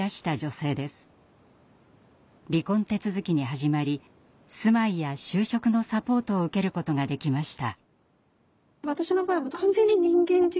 離婚手続きに始まり住まいや就職のサポートを受けることができました。